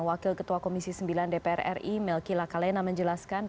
wakil ketua komisi sembilan dpr ri melkila kalena menjelaskan